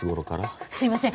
すみません